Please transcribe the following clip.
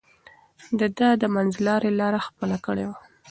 ده د منځلارۍ لار خپله کړې وه.